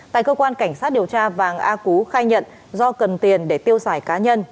tại cơ quan cảnh sát điều tra vàng a cú khai nhận do cần tiền để tiêu xài cá nhân